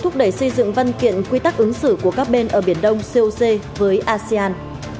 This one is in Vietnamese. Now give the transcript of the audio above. các ứng xử của các bên ở biển đông coc với asean